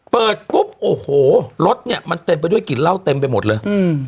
เปิดปุ๊บโอ้โหรถเนี่ยมันเต็มไปด้วยกลิ่นเหล้าเต็มไปหมดเลย